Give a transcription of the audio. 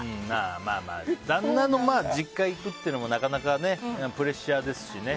まあ、旦那の実家に行くっていうのも、なかなかプレッシャーですしね。